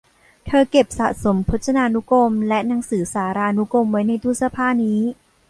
เธอเก็บสะสมพจนานุกรมและหนังสือสารานุกรมไว้ในตู้เสื้อผ้านี้